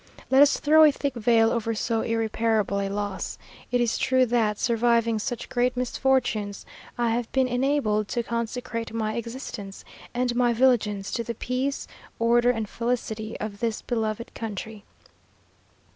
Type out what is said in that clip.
Let us throw a thick veil over so irreparable a loss. It is true that, surviving such great misfortunes, I have been enabled to consecrate my existence and my vigilance to the peace, order, and felicity of this beloved country.